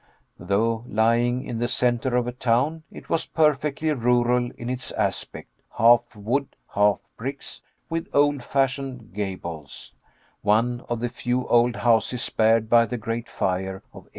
Though lying in the centre of a town, it was perfectly rural in its aspect half wood, half bricks, with old fashioned gables one of the few old houses spared by the great fire of 1842.